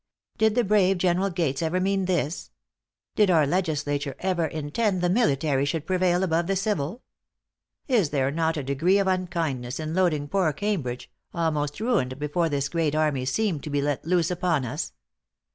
Did the brave General Gates ever mean this? Did our legislature ever intend the military should prevail above the civil? Is there not a degree of unkindness in loading poor Cambridge, almost ruined before this great army seemed to be let loose upon us!